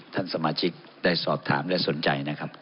ท่านสมาชิกได้สอบถามและสนใจนะครับ